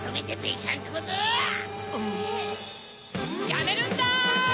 やめるんだ！